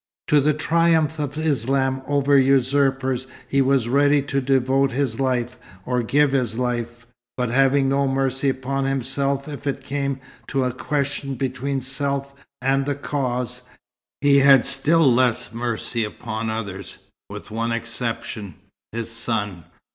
To the triumph of Islam over usurpers he was ready to devote his life, or give his life; but having no mercy upon himself if it came to a question between self and the Cause, he had still less mercy upon others, with one exception; his son.